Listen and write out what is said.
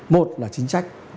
một là chính trạng